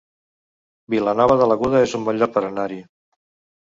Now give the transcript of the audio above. Vilanova de l'Aguda es un bon lloc per anar-hi